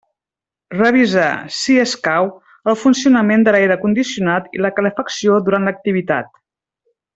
Revisar, si escau, el funcionament de l'aire condicionat i la calefacció durant l'activitat.